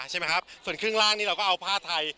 ใช่ไหมครับส่วนครึ่งล่างนี้เราก็เอาผ้าไทย